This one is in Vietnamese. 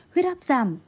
huyết áp giảm